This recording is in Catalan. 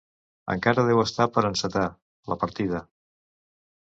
Encara deu estar per encetar... la partida!